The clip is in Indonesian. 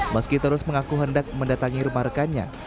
meski terus mengaku hendak mendatangi rumah rekannya